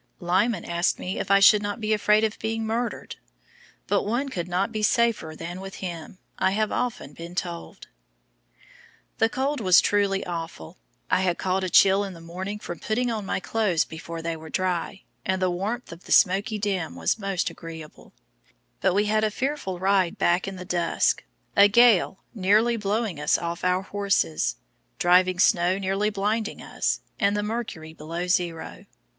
Lyman asked me if I should not be afraid of being murdered, but one could not be safer than with him I have often been told. The cold was truly awful. I had caught a chill in the morning from putting on my clothes before they were dry, and the warmth of the smoky den was most agreeable; but we had a fearful ride back in the dusk, a gale nearly blowing us off our horses, drifting snow nearly blinding us, and the mercury below zero.